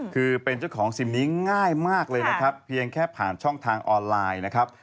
คือเป็นเจ้าของซิมนี้ง่ายมากเลยนะครับเพียงแค่ผ่านช่องทางออนไลน์นะครับ